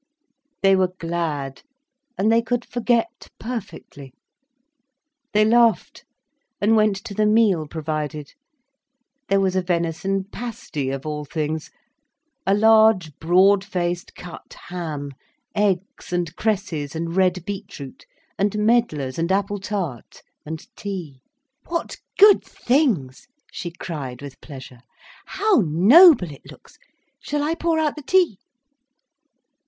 They were glad, and they could forget perfectly. They laughed, and went to the meal provided. There was a venison pasty, of all things, a large broad faced cut ham, eggs and cresses and red beet root, and medlars and apple tart, and tea. "What good things!" she cried with pleasure. "How noble it looks!—shall I pour out the tea?